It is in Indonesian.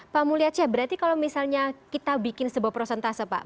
pak mulyace berarti kalau misalnya kita bikin sebuah prosentase pak